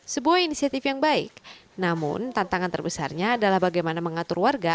sebuah inisiatif yang baik namun tantangan terbesarnya adalah bagaimana mengatur warga